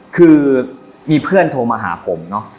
คือมีเพื่อนโทรมาหาผมเนอะ